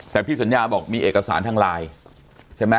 แต่พี่สัญญาบอกมีเอกสารทางไลน์ใช่ไหม